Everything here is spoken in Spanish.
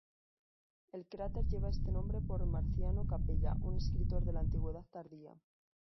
El cráter lleva este nombre por Marciano Capella, un escritor de la antigüedad tardía.